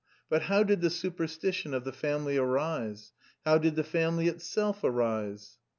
But how did the superstition of the family arise? How did the family itself arise?"